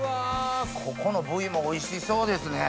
ここの部位もおいしそうですね。